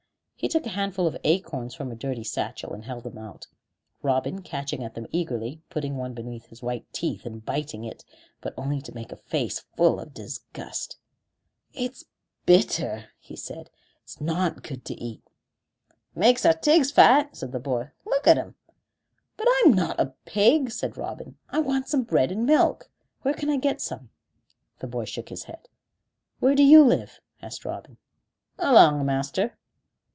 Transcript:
He took a handful of acorns from a dirty satchel, and held them out, Robin catching at them eagerly, putting one between his white teeth, and biting it, but only to make a face full of disgust. "It's bitter," he said. "It's not good to eat." "Makes our tigs fat," said the boy; "look at 'em." "But I'm not a pig," said Robin. "I want some bread and milk. Where can I get some?" The boy shook his head. "Where do you live?" asked Robin. "Along o' master."